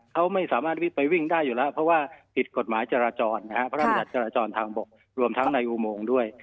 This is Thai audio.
เขาไม่สามารถไปวิ่งได้อยู่แล้วเพราะว่าผิดกฎหมายจราจรทางบกรวมทั้งในอุโมงด้วย